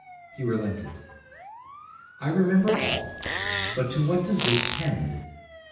he relented.' 'I remember all, but to what does this tend?'